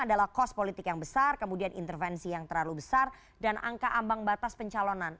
adalah kos politik yang besar kemenangan dan kegagalan